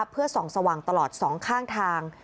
เพื่อส่องสว่างตลอด๒ข้างทาง